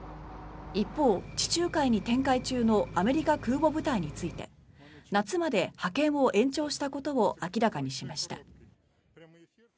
一方、地中海に展開中のアメリカ空母部隊について夏まで派遣を延長したことを明らかにしました。